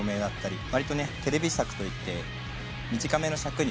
わりとねテレビ尺といって短めの尺に。